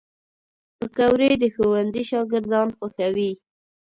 پکورې د ښوونځي شاګردان خوښوي